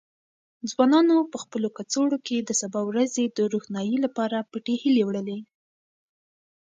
ځوانانو په خپلو کڅوړو کې د سبا ورځې د روښنايي لپاره پټې هیلې وړلې.